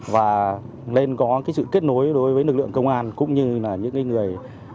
và nên có cái sự kết nối đối với lực lượng công an cũng như là những cái người